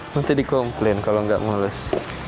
nanti di komplain kalau nggak mulus